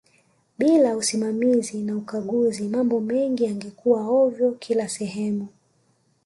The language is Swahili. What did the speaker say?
bila usimamizi na ukaguzi mambo mengi yangekuaa ovyo kila sehemu